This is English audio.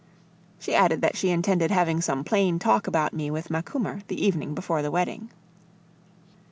She added that she intended having some plain talk about me with Macumer the evening before the wedding.